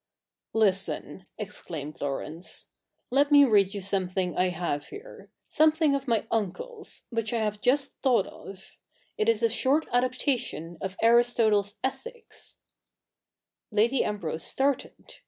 'Listen,' exclaimed Laurence ; 'let me read you some thing I have here — something of my uncle's, which I have just thought of. It is a short adaptation of Aristotle's Ethics: Lady Ambrose started.